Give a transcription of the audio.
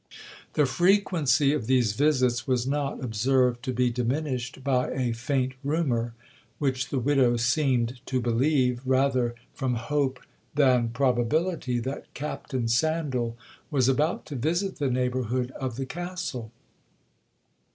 'The frequency of these visits was not observed to be diminished by a faint rumour, which the widow seemed to believe, rather from hope than probability, that Captain Sandal was about to visit the neighbourhood of the Castle.